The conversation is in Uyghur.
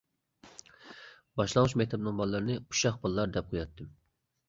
باشلانغۇچ مەكتەپنىڭ بالىلىرىنى «ئۇششاق بالىلار» دەپ قوياتتىم.